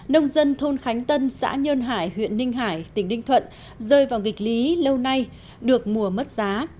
nông dân thôn khánh tân xã nhơn hải huyện ninh hải tỉnh ninh thuận rơi vào nghịch lý lâu nay được mùa mất giá